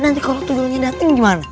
nanti kalau dateng gimana